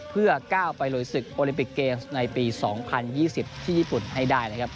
เพื่อก้าวไปลุยศึกโอลิมปิกเกมส์ในปี๒๐๒๐ที่ญี่ปุ่นให้ได้นะครับ